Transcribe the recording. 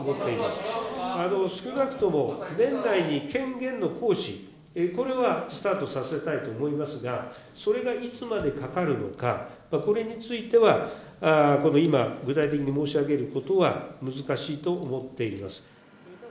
あの少なくとも年内に権限の行使、これはスタートさせたいと思いますが、それがいつまでかかるのか、これについては今、具体的に申し上げることは難しいと思っています。